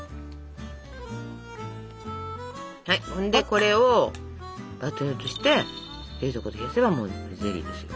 これをバットに移して冷蔵庫で冷やせばもうゼリーですよ。